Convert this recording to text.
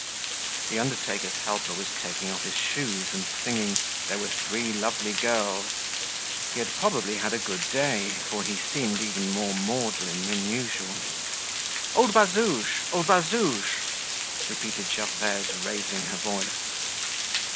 The undertaker's helper was taking off his shoes and singing, "There were three lovely girls." He had probably had a good day, for he seemed even more maudlin than usual. "Old Bazouge! Old Bazouge!" repeated Gervaise, raising her voice.